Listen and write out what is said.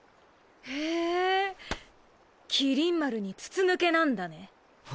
へえ麒麟丸に筒抜けなんだね？